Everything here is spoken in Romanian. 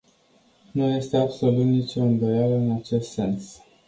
Nu este absolut nicio îndoială în acest sens.